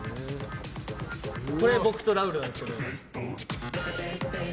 これ、僕とラウールなんですけど。